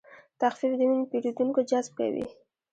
تخفیف د نوي پیرودونکو جذب کوي.